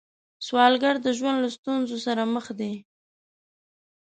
سوالګر د ژوند له ستونزو سره مخ دی